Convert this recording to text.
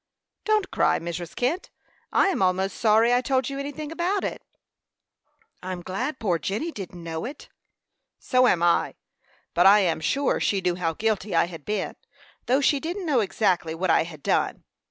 "Don't cry, Mrs. Kent. I am almost sorry I told you anything about it." "I'm glad poor Jenny didn't know it." "So am I; but I am sure she knew how guilty I had been, though she didn't know exactly what I had done."